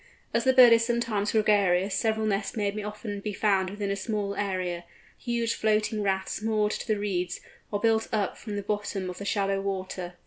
As the bird is sometimes gregarious several nests may often be found within a small area—huge floating rafts moored to the reeds, or built up from the bottom of the shallow water.